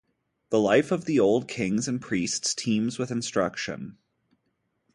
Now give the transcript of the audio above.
The life of the old kings and priests teems with instruction.